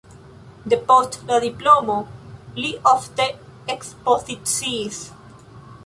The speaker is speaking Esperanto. Depost la diplomo li ofte ekspoziciis.